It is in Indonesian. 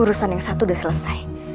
urusan yang satu sudah selesai